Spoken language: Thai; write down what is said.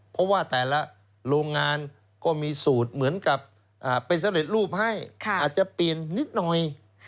เพราะว่าแต่ละโรงงานก็มีสูตรเหมือนกับเป็นสำเร็จรูปให้อาจจะเปลี่ยนนิดหน่อย